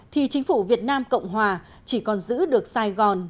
thì chính phủ việt nam cộng hòa chỉ còn giữ được sài gòn